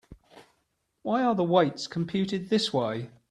Why are the weights computed this way?